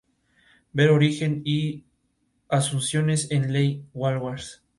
Según el Diccionario Webster significa asunto, negocio, caso, materia.